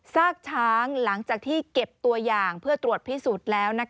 ซากช้างหลังจากที่เก็บตัวอย่างเพื่อตรวจพิสูจน์แล้ว